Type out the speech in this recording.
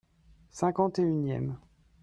Cinquante et unième.